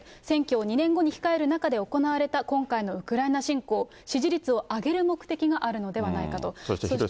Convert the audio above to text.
選挙を２年後に控える中で行われた今回のウクライナ侵攻、支持率を上げる目的があるのではないかと。